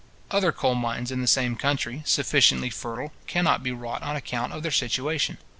Other coal mines in the same country, sufficiently fertile, cannot be wrought on account of their situation.